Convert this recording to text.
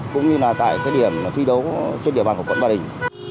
cũng như là tại điểm thi đấu trên địa bàn của quận ba đình